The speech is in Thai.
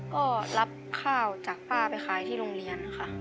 ก็รับข้าวจากป้าไปขายที่โรงเรียนค่ะ